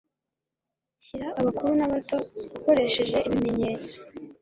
Shyira abakuru n'abato ukoresheje ibimenyetso